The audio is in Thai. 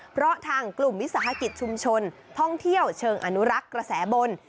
เพราะทางกลุ่มวิสาหกิจชุมชนท่องเที่ยวเชิงอนุรักษ์กระแสบน